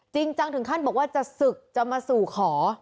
จริงจังถึงขั้นบอกว่าจะศึกจะมาสู่ขอ